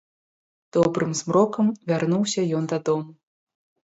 Добрым змрокам вярнуўся ён дадому.